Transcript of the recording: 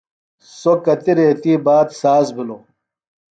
سوۡ کتیۡ ریتی باد ساز بِھلوۡ۔